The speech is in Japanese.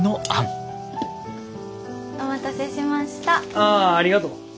ああありがとう。